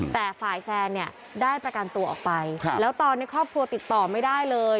แต่ฝ่ายแฟนเนี่ยได้ประกันตัวออกไปแล้วตอนนี้ครอบครัวติดต่อไม่ได้เลย